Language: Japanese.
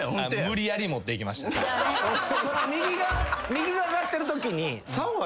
右が上がってるときに。